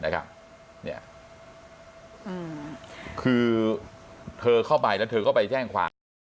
คือเธอเข้าไปแล้วเธอก็ไปแจ้งความ